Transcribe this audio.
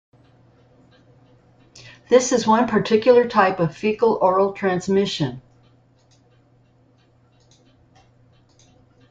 This is one particular type of fecal-oral transmission.